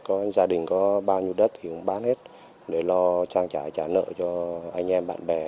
có gia đình có bao nhiêu đất thì cũng bán hết để lo trang trả trả nợ cho anh em bạn bè